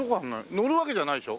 乗るわけじゃないでしょ？